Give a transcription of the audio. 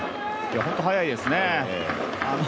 本当、速いですね。